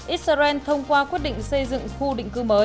israel thông qua quyết định xây dựng khu định cư mới